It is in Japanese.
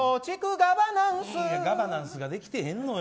ガバナンスができてへんのよ。